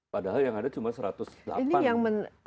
padahal yang ada cuma satu ratus delapan